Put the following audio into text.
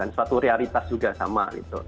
suatu realitas juga sama